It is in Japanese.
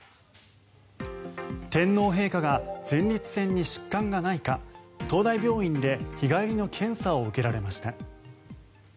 天皇陛下が前立腺に疾患がないか東大病院で日帰りの検査を受けられました。